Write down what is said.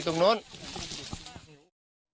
เลยต้องเปิดหน้าต่างแงมเอาไว้